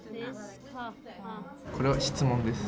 これは質問です。